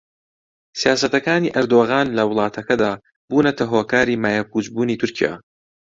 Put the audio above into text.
سیاسەتەکانی ئەردۆغان لە وڵاتەکەدا بوونەتە هۆکاری مایەپووچبوونی تورکیا